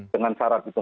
dengan syarat itu